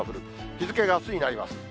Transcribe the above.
日付があすになります。